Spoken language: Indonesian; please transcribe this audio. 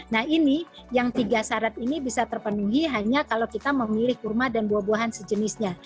nah ini yang tiga syarat ini bisa terpenuhi hanya kalau kita memilih kurma dan buah buahan sejenisnya